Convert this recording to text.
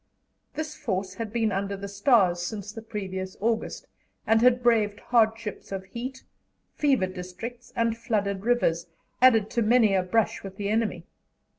This force had been "under the stars" since the previous August, and had braved hardships of heat, fever districts, and flooded rivers, added to many a brush with the enemy.